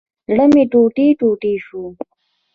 زړه مي ټوټي ټوټي شو